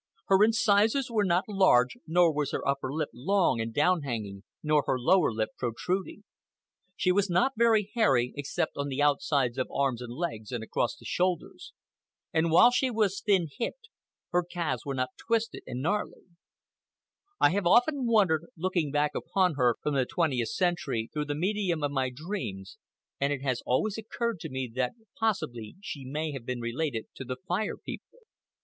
Her incisors were not large, nor was her upper lip long and down hanging, nor her lower lip protruding. She was not very hairy, except on the outsides of arms and legs and across the shoulders; and while she was thin hipped, her calves were not twisted and gnarly. I have often wondered, looking back upon her from the twentieth century through the medium of my dreams, and it has always occurred to me that possibly she may have been related to the Fire People.